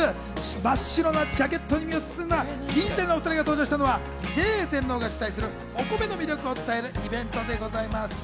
真っ白なジャケットに身を包んだ銀シャリのお２人が登場したのはＪＡ全農が主催するお米の味覚を伝えるイベントでございます。